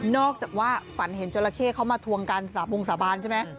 นอกจากว่าฝันเห็นเจ้าละเข้เข้ามาทวงการสระบงสระบานใช่ไหม